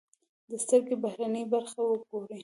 د سترکې بهرنۍ برخه و ګورئ.